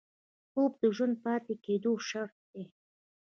خوب د ژوندي پاتې کېدو شرط دی